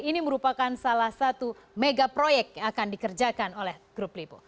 ini merupakan salah satu mega proyek yang akan dikerjakan oleh grup lipo